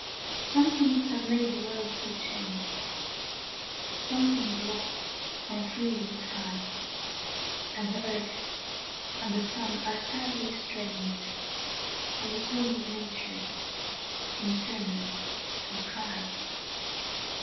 SOMETHING has made the world so changed, Something is lost from field and sky, And the earth and sun are sadly estranged, And the songs of Nature seemed turned to a cry.